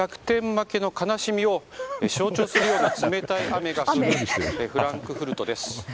負けの悲しみを象徴するような冷たい雨が降っているフランクフルトです。